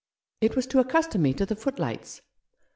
It was to accustom me to the foot lights.